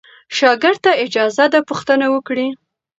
شاګرد ته اجازه ده پوښتنه وکړي.